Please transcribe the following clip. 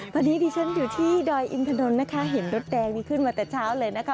วันนี้ที่ฉันอยู่ที่ดอยอินทะนดนะคะเห็นรถแดนมีขึ้นมาแต่ช้าวเลยนะคะ